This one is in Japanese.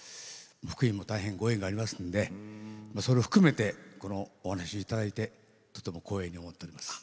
福井も大変ご縁がありますのでそれを含めてお話いただいて光栄に思っています。